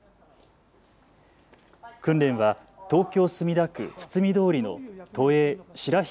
訓練は東京墨田区堤通の都営白鬚